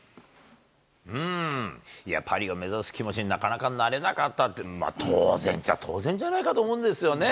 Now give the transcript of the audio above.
パリを目指す気持ちになかなかなれなかったって、当然っちゃ当然じゃないかって思うんですよね。